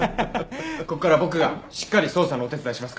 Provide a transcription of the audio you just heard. ここからは僕がしっかり捜査のお手伝いしますから。